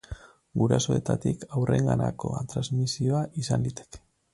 Gurasoetatik haurrenganako transmisioa izan liteke.